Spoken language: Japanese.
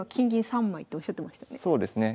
そうですね。